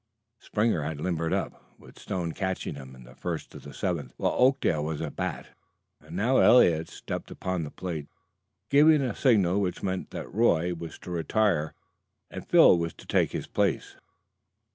Springer had limbered up, with Stone catching him, in the first of the seventh while Oakdale was at bat, and now Eliot stepped upon the plate, giving a signal which meant that Roy was to retire and Phil was to take his place.